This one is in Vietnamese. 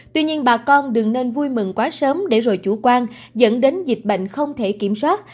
tuy nhiên bà con đừng nên vui mừng quá sớm để rồi chủ quan dẫn đến dịch bệnh không thể kiểm soát